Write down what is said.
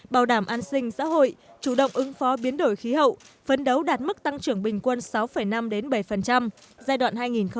bảo đảm an sinh xã hội chủ động ứng phó biến đổi khí hậu phấn đấu đạt mức tăng trưởng bình quân sáu năm bảy giai đoạn hai nghìn hai mươi một hai nghìn hai mươi năm